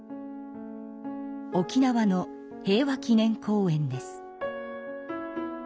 沖縄の平和祈念公園です。